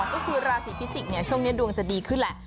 ก็คือราศีพิจิกษ์ช่วงนี้ดวงจะดีขึ้นแหละ